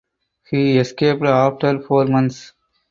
He escaped after four months.